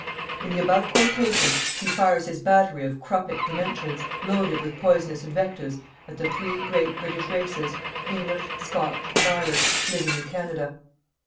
In the above quotation, he fires his battery of Kruppic dimensions loaded with poisonous invectives, at the THREE GREAT BRITISH RACES, ENGLISH, SCOTCH AND IRISH, living in Canada.